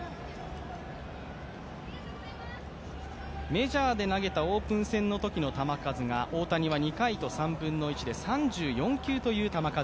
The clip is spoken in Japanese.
メジャーで投げたオープン戦のときの球数は大谷は２回と３分の１で３４球という球数。